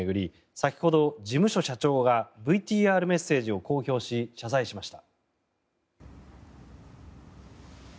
先ほど事務所社長がＶＴＲメッセージを公表し謝罪しました。